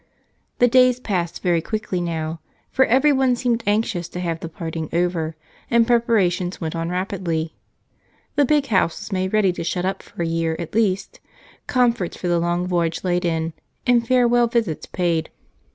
The days passed very quickly now, for everyone seemed anxious to have the parting over and preparations went on rapidly. The big house was made ready to shut up for a year at least, comforts for the long voyage laid in, and farewell visits paid.